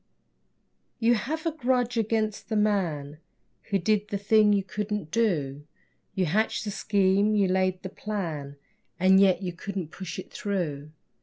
You have a grudge against the man Who did the thing you couldn't do. You hatched the scheme, you laid the plan, And yet you couldn't push it through.